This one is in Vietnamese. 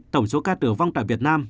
tổng số ca tử vong tại việt nam